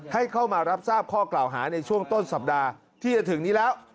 ให้เข้ามารับทราบข้อกล่าวหาในช่วงต้นสัปดาห์ที่จะถึงนี้แล้ว